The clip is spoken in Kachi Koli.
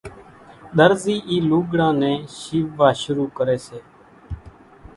ۮرزي اِي لوڳڙان نين شيووا شروع ڪري سي